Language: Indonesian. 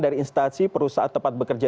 dari instansi perusahaan tempat bekerja